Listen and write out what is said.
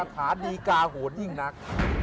ฐานดีกาโหนยิ่งนัก